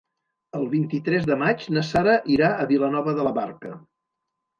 El vint-i-tres de maig na Sara irà a Vilanova de la Barca.